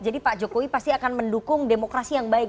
jadi pak jokowi pasti akan mendukung demokrasi yang baik